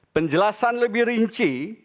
penjelasan lebih rinci